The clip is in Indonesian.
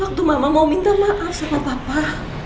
waktu mama mau minta maaf sama papa